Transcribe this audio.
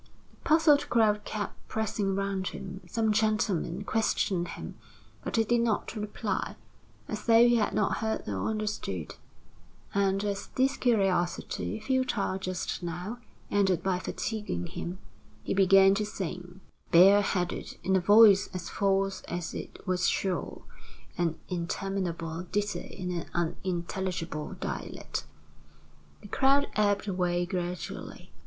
The puzzled crowd kept pressing round him. Some gentlemen questioned him, but he did not reply, as though he had not heard or understood; and as this curiosity, futile just now, ended by fatiguing him, he began to sing, bareheaded, in a voice as false as it was shrill, an interminable ditty in an unintelligible dialect. The crowd ebbed away gradually.